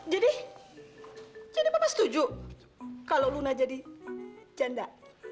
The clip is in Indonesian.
jadi jadi papa setuju kalau luna jadi janda